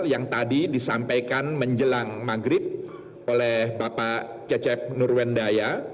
yang tadi disampaikan menjelang maghrib oleh bapak cecep nurwendaya